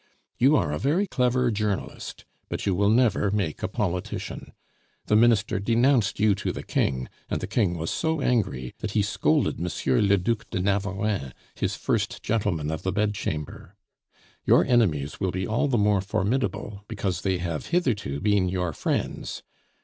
You are a very clever journalist, but you will never make a politician. The Minister denounced you to the King, and the King was so angry that he scolded M. le Duc de Navarreins, his First Gentleman of the Bedchamber. Your enemies will be all the more formidable because they have hitherto been your friends.